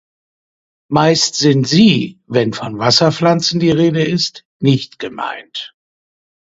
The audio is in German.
Meist sind sie, wenn von Wasserpflanzen die Rede ist, nicht gemeint.